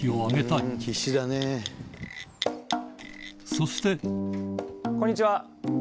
そしてこんにちは。